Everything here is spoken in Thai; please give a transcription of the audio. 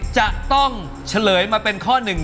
จะต้องเฉลยมาเป็นข้อหนึ่ง